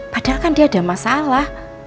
padahal kan dia ada masalah